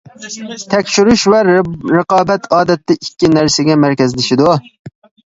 تەكشۈرۈش ۋە رىقابەت ئادەتتە ئىككى نەرسىگە مەركەزلىشىدۇ.